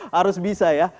harus bisa ya